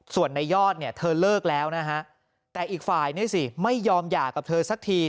ส่วนในยอดเนี่ยเธอเลิกแล้วนะฮะแต่อีกฝ่ายนี่สิไม่ยอมหย่ากับเธอสักที